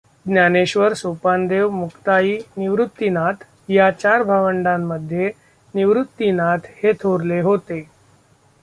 ज्ञानेश्वर, सोपानदेव मुक्ताई, निवृत्तिनाथ ह्या चार भावंडांमधे निवृत्तिनाथ हे थोरले होते.